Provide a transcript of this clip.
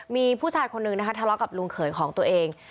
มีผู้ชายคนนึงนะคะทะเลาะกับลุงเขยของตัวเอง